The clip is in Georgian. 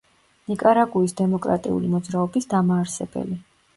ნიკარაგუის დემოკრატიული მოძრაობის დამაარსებელი.